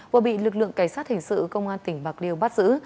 và bị lực lượng cảnh sát hình sự công an tp biên hòa bắt giữ